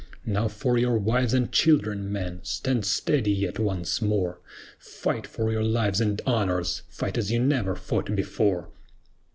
Now for your wives and children, men! Stand steady yet once more! Fight for your lives and honors! Fight as you never fought before!